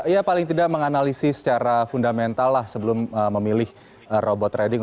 ya paling tidak menganalisis secara fundamental lah sebelum memilih robot trading